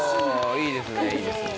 おいいですね。